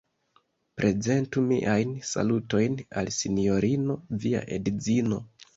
Prezentu miajn salutojn al Sinjorino via edzino!